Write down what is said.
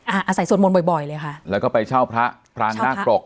อาศัยสวดมนต์บ่อยบ่อยเลยค่ะแล้วก็ไปเช่าพระพรางนาคปรก